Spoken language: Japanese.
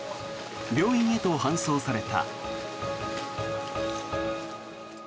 病院へと搬送された。